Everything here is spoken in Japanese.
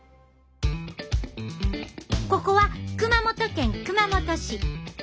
ここは熊本県熊本市。